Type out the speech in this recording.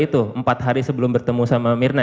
itu empat hari sebelum bertemu sama mirna